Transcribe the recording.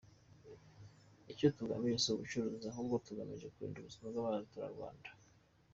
Icyo tugamije si ubucuruzi, ahubwo tugamije kurinda ubuzima bw’abaturarwanda.